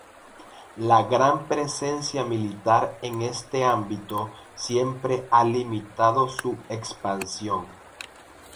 La gran presencia militar en este ámbito siempre ha limitado su expansión.